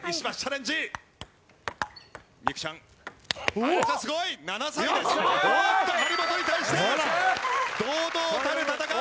おっと張本に対して堂々たる戦い！